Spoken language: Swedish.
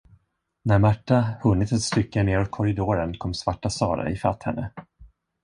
När Märta hunnit ett stycke neråt korridoren kom Svarta Sara ifatt henne.